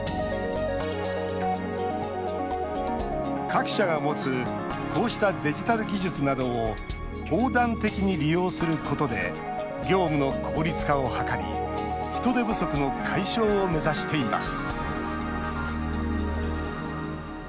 各社が持つこうしたデジタル技術などを横断的に利用することで業務の効率化を図り人手不足の解消を目指しています